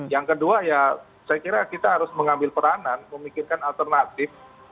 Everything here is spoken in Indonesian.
yang kedua ya saya kira kita harus mengambil peranan memikirkan alternatif